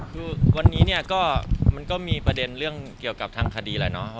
คือวันนี้เนี่ยก็มันก็มีประเด็นเรื่องเกี่ยวกับทางคดีแหละเนาะ